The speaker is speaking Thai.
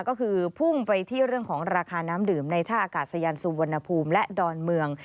ก็คือพุ่งไปที่เรื่องของราคาน้ำดื่มในท่าอากาศยานสุวรรณภูมิและดอนเมือง